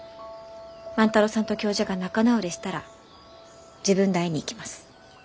万太郎さんと教授が仲直りしたら自分で会いに行きます。